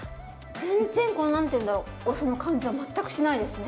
全然この何ていうんだろうお酢の感じは全くしないですね。